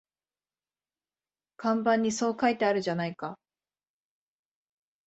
看板にそう書いてあるじゃないか